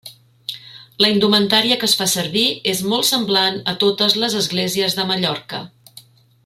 La indumentària que es fa servir és molt semblant a totes les esglésies de Mallorca.